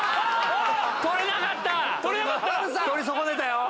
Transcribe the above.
取り損ねたよ！